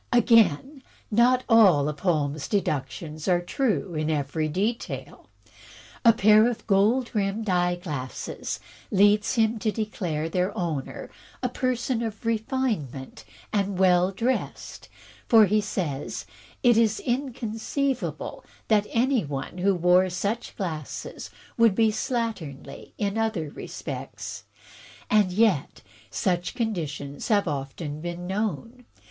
Again, not all of Holmes' deductions are true in every detail. A pair of gold rimmed eye glasses leads him to declare their owner "a person of refinement and well dressed," for, he says "it is inconceivable that any one who wore such glasses could be slatternly in other respects." And yet, such conditions have often been known.